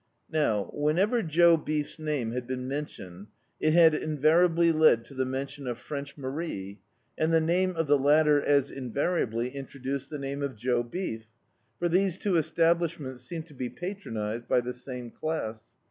Now, whenever Joe Beefs name had been menticHied it had invariably led to the mention of French Marie, and the name of the latter as invariably introduced the name of Joe Beef, for these two establishments seemed to be patronised by the same class.